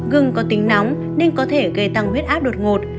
gừng có tính nóng nên có thể gây tăng huyết áp đột ngột